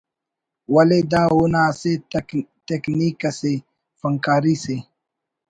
ولے دا اونا اسہ تکنیک اسے‘ فنکاری سے